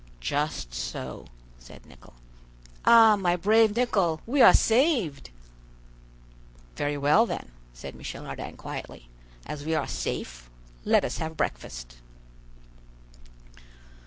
"Just so," said Nicholl. "Ah, my brave Nicholl, we are saved!" "Very well then," said Michel Ardan quietly; "as we are safe, let us have breakfast."